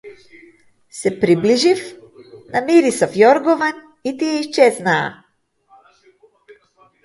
Се приближив, намирисав јоргован и тие исчезнаа.